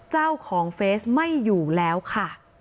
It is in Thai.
เจ้าของเฟสไม่อยู่แล้วค่ะ